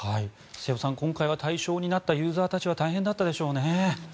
瀬尾さん、今回は対象になったユーザーたちは大変だったでしょうね。